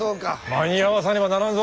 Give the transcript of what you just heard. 間に合わさねばならんぞ。